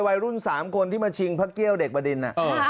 วัยรุ่น๓คนที่มาชิงพระเกี้ยวเด็กบดิน